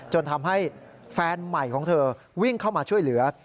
จนทำให้แฟนใหม่ของเธอวิ่งเข้ามาช่วยเหลือ